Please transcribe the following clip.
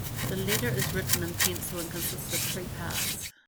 The letter is written in pencil and consists of three parts.